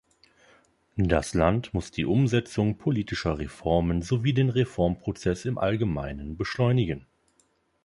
Das Land muss die Umsetzung politischer Reformen sowie den Reformprozess im Allgemeinen beschleunigen.